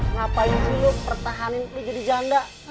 ngapain sih lu pertahanin lu jadi janda